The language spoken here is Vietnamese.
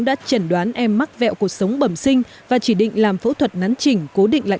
đã chẩn đoán em mắc vẹo cuộc sống bẩm sinh và chỉ định làm phẫu thuật nắn chỉnh cố định lại